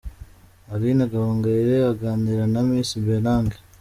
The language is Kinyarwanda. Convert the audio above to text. Aline Gahongayire aganira na Miss Bellange.